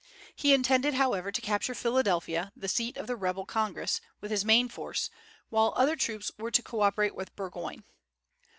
He intended, however, to capture Philadelphia, the seat of the "rebel Congress," with his main force, while other troops were to co operate with Burgoyne.